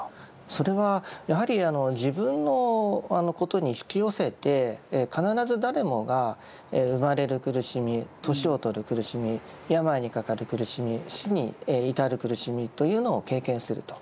それはやはり自分のことに引き寄せて必ず誰もが生まれる苦しみ年を取る苦しみ病にかかる苦しみ死に至る苦しみというのを経験すると。